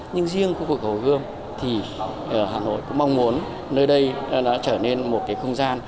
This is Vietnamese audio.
nhưng riêng khu vực hồ gươm thì hà nội cũng mong muốn nơi đây đã trở nên một cái không gian